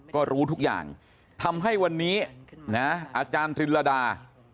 ก็รู้ทุกอย่างทำให้วันนี้อาจารย์รินรดา